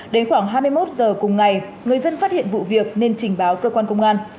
đến khoảng hai mươi một giờ cùng ngày người dân phát hiện vụ việc nên trình báo cơ quan công an